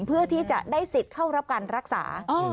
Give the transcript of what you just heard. เพื่อที่จะได้สิทธิ์เข้ารับการรักษา